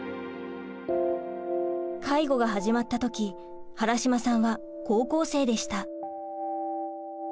介護が始まった時原島さんは高校生でした。